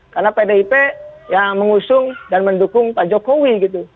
karena pdip yang mengusung dan mendukung pak jokowi gitu